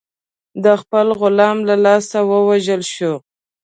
د خپل غلام له لاسه ووژل شو.